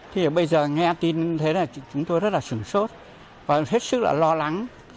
thì bây giờ nghe tin thế này chúng tôi rất là sửng sốt và hết sức là lo lắng